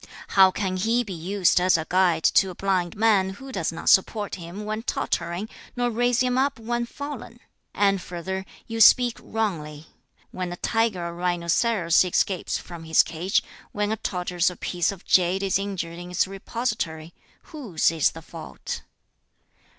How can he be used as a guide to a blind man, who does not support him when tottering, nor raise him up when fallen?" 7. 'And further, you speak wrongly. When a tiger or rhinoceros escapes from his cage; when a tortoise or piece of jade is injured in its repository: whose is the fault?'